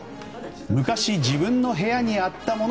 昔、自分の部屋にあったもの